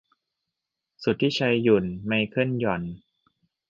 สุทธิชัย หยุ่น ไมเคิล หย่อน